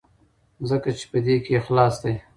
ځکه چې په دې کې اخلاص دی.